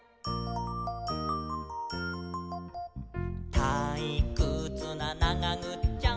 「たいくつなながぐっちゃん！！」